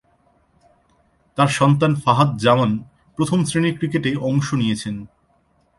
তার সন্তান ফাহাদ জামান প্রথম-শ্রেণীর ক্রিকেটে অংশ নিয়েছেন।